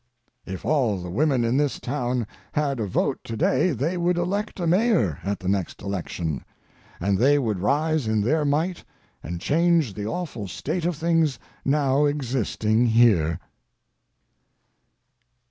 If all the women in this town had a vote to day they would elect a mayor at the next election, and they would rise in their might and change the awful state of things now existing here.